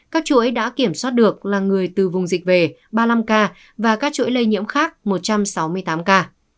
các chuỗi đã kiểm soát được là người từ vùng dịch về ba mươi năm ca và các chuỗi lây nhiễm khác một trăm sáu mươi tám ca